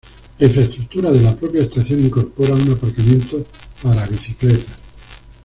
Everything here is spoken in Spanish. La infraestructura de la propia estación incorpora un aparcamiento para bicicletas.